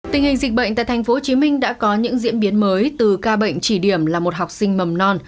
tình hình dịch bệnh tại tp hcm đã có những diễn biến mới từ ca bệnh chỉ điểm là một học sinh mầm non